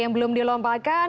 yang belum dilompatkan